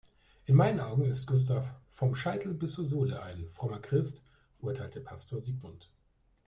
In meinen Augen ist Gustav vom Scheitel bis zur Sohle ein frommer Christ, urteilte Pastor Sigmund.